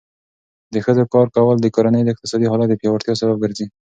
د ښځو کار کول د کورنۍ د اقتصادي حالت د پیاوړتیا سبب ګرځي.